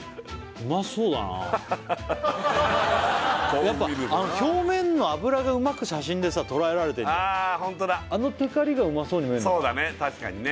こう見るとなやっぱ表面の油がうまく写真でさ捉えられてるじゃんあのテカリがうまそうに見えるのかそうだね